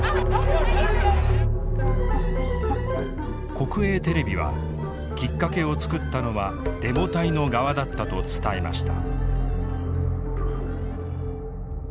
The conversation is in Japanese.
国営テレビはきっかけを作ったのはデモ隊の側だったと伝えました。